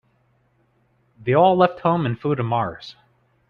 They all left home and flew to Mars.